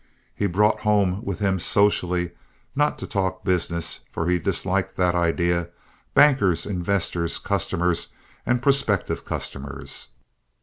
He brought home with him, socially—not to talk business, for he disliked that idea—bankers, investors, customers and prospective customers.